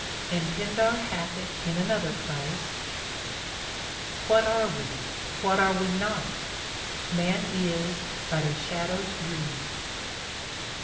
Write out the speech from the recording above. * And Pindar hath it in another place, What are we, what are we not ? Man is but a shadow's dream.